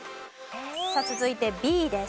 さあ続いてＢです。